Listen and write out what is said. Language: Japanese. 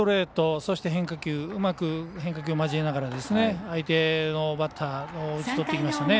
そして、変化球うまく変化球を交えながら相手のバッターを打ち取っていきました。